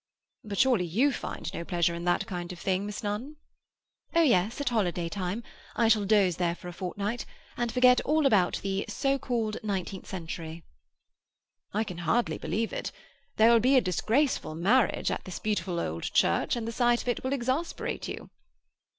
"But surely you find no pleasure in that kind of thing, Miss Nunn?" "Oh yes—at holiday time. I shall doze there for a fortnight, and forget all about the "so called nineteenth century."" "I can hardly believe it. There will be a disgraceful marriage at this beautiful old church, and the sight of it will exasperate you."